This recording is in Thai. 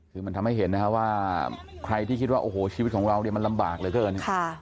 คือมันทำให้เห็นนะครับว่าใครที่คิดว่าโอ้โหชีวิตของเราเนี่ยมันลำบากเหลือเกิน